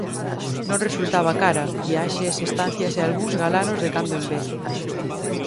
Non resultaba cara: viaxes, estancias e algúns galanos de cando en vez...